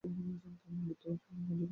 তিনি মিলিত হন গুস্তাভ এফেলের সাথে।